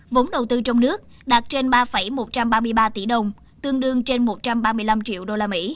vốn đầu tư trong nước đạt trên ba một trăm ba mươi ba tỷ đồng tương đương trên một trăm ba mươi năm triệu usd